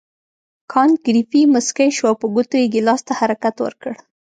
کانت ګریفي مسکی شو او په ګوتو یې ګیلاس ته حرکت ورکړ.